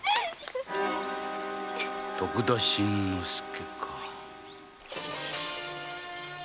徳田新之助か